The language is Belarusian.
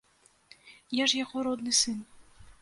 Я ж яго родны сын.